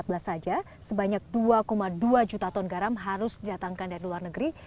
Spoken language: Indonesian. tahun dua ribu empat belas saja sebanyak dua dua juta ton garam harus diatangkan dari luar negeri